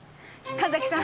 神崎さん。